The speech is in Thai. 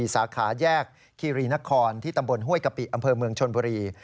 สาขาแยกคีรีนครที่ตำบลห้วยกะปิอำเภอเมืองชนบุรี